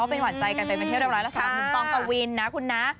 เป็นหวานใจกันไปเป็นที่เรียบร้อยแล้วสำหรับหนุ่มต้องกวินนะคุณนะ